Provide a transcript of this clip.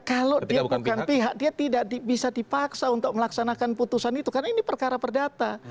kalau dia bukan pihak dia tidak bisa dipaksa untuk melaksanakan putusan itu karena ini perkara perdata